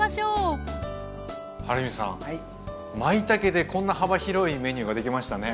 まいたけでこんな幅広いメニューができましたね。